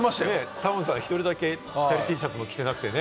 タモさん、１人だけチャリＴシャツも着てなくてね。